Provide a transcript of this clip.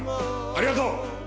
ありがとう！